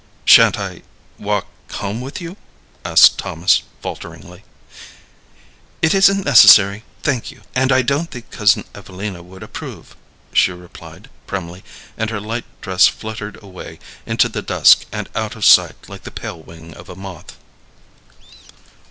"Sha'n't I walk home with you?" asked Thomas, falteringly. "It isn't necessary, thank you, and I don't think Cousin Evelina would approve," she replied, primly; and her light dress fluttered away into the dusk and out of sight like the pale wing of a moth.